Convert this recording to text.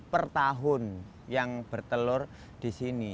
per tahun yang bertelur di sini